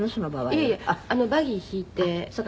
「いえいえバギー引いて」